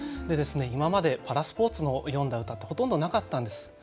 で今までパラスポーツの詠んだ歌ってほとんどなかったんです。